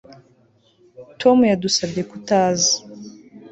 Tom yadusabye kutaza